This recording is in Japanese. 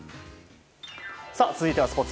続いては、スポーツ。